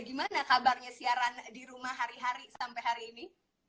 gimana kabarnya siaran di rumah hari hari sampai hari ini